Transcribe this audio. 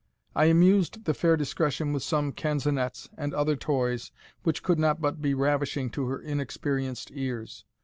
I amused the fair Discretion with some canzonettes, and other toys, which could not but be ravishing to her inexperienced ears.